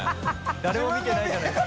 誰も見てないじゃないですか。）